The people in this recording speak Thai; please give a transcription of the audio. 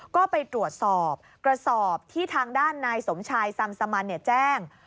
ก็ไปตรวจสอบกระสอบที่ทางด้านนายสมชายซัมสมันแจ้ง